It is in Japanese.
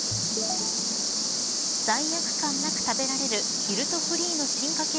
罪悪感なく食べられるギルトフリーの進化系